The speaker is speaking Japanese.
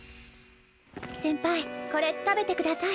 先輩これ食べてください。